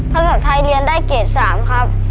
ภาษาไทยเรียนได้เกรด๓ครับ